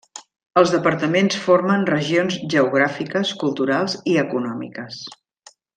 Els departaments formen regions geogràfiques, culturals i econòmiques.